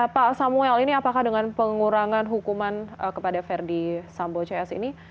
pak samuel ini apakah dengan pengurangan hukuman kepada verdi sambo cs ini